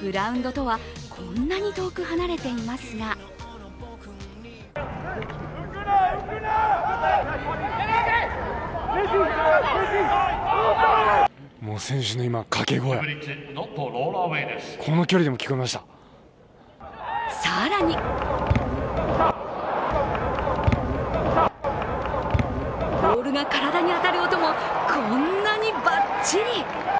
グラウンドとはこんなに遠く離れていますが更にボールが体に当たる音もこんなにバッチリ。